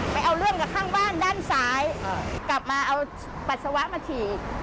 เอาเรื่องกับข้างบ้านด้านซ้ายกลับมาเอาปัสสาวะมาฉีก